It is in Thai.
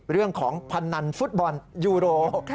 เรื่องของพนันฟุตบอลยูโร